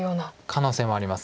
可能性もあります。